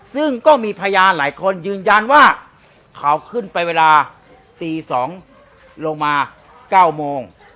ซึ่งก็มีพยานหลายคนยืนยันว่าเขาขึ้นไปเวลาตี๒ลงมา๙โมง